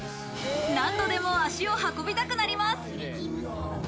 何度でも足を運びたくなります。